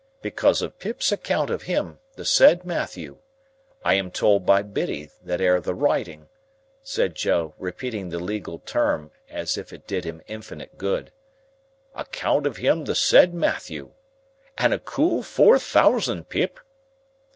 'Because of Pip's account of him, the said Matthew.' I am told by Biddy, that air the writing," said Joe, repeating the legal turn as if it did him infinite good, "'account of him the said Matthew.' And a cool four thousand, Pip!"